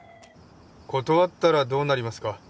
断ったらどうなりますか？